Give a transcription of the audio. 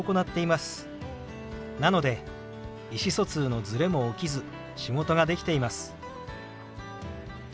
なので意思疎通のズレも起きず仕事ができています。